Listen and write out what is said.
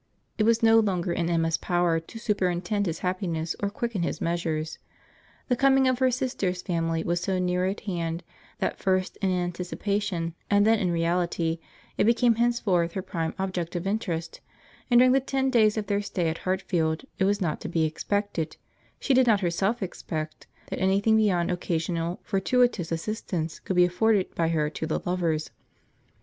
It was no longer in Emma's power to superintend his happiness or quicken his measures. The coming of her sister's family was so very near at hand, that first in anticipation, and then in reality, it became henceforth her prime object of interest; and during the ten days of their stay at Hartfield it was not to be expected—she did not herself expect—that any thing beyond occasional, fortuitous assistance could be afforded by her to the lovers.